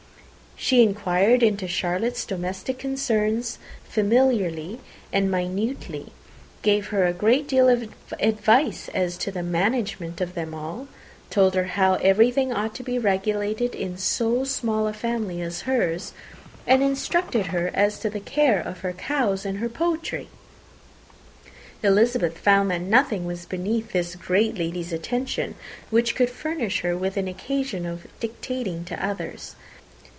She inquired into Charlotte's domestic concerns familiarly and minutely, and gave her a great deal of advice as to the management of them all; told her how everything ought to be regulated in so small a family as hers, and instructed her as to the care of her cows and her poultry. Elizabeth found that nothing was beneath this great lady's attention which could furnish her with an occasion for dictating to others.